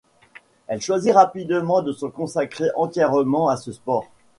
Elle choisit rapidement de se consacrer entièrement à ce sport.